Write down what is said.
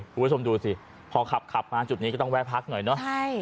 คุณผู้ชมดูสิพอขับขับมาจุดนี้ก็ต้องแวะพักหน่อยเนอะใช่